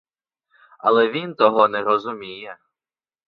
Але він того не розуміє.